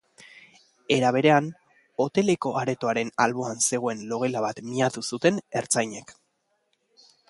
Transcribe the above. Era berean, hoteleko aretoaren alboan zegoen logela bat miatu zuten ertzainek.